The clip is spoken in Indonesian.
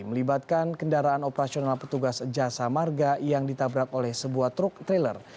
melibatkan kendaraan operasional petugas jasa marga yang ditabrak oleh sebuah truk trailer